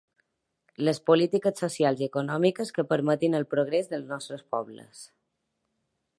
Les polítiques socials i econòmiques que permetin el progrés dels nostres pobles.